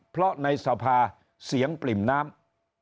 เพราะในสภาเสียงปริ่มน้ำ